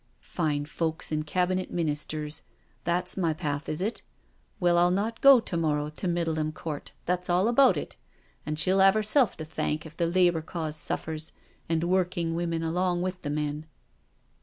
" Fine folks and Cabinet Ministers — that's my path, is it? Well, I'll not go to morrow to Middleham Court —that's all about it— and she'll 'ave 'erself to thank if the Labour Cause suffers, and working women along with the men."